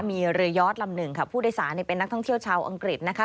มีเรือยอดลำหนึ่งค่ะผู้โดยสารเป็นนักท่องเที่ยวชาวอังกฤษนะคะ